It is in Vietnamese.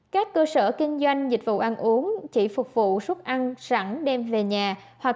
các cơ sở kinh doanh dịch vụ ăn uống chỉ phục vụ xuất ăn sẵn đem về nhà